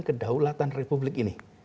kedaulatan republik ini